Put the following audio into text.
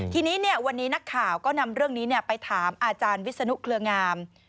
ทีนี้วันนี้นักข่าวก็นำเรื่องนี้ไปถามอาจารย์วิศนุเครืองาม